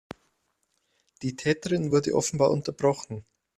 Die Täterin wurde offenbar unterbrochen.